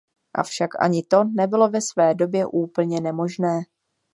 Avšak ani to nebylo ve své době úplně nemožné.